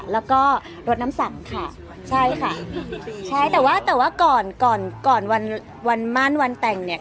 แล้วก็รดน้ำสั่งค่ะใช่ค่ะแต่ว่าก่อนวันมารวันแต้งเนี่ย